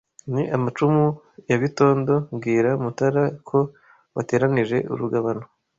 Ni amacumu ya Bitondo Mbwira Mutara ko wateranije urugabano